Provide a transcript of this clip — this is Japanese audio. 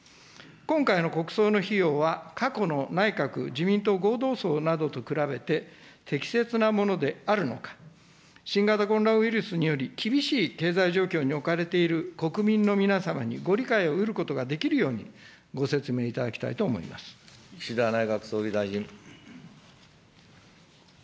今回の国葬の費用は、過去の内閣・自民党合同葬などと比べて、適切なものであるのか、新型コロナウイルスにより厳しい経済状況に置かれている国民の皆様にご理解を得ることができるようにご説明いただきたいと思いま岸田内閣総理大臣。